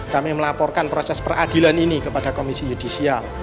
kami melaporkan proses peradilan ini kepada komisi yudisial